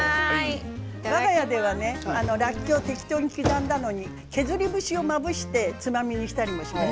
わが家は、らっきょうを適当に刻んだものに削り節をかけてつまみにしています。